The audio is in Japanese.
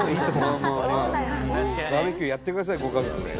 バーベキューやってくださいご家族で。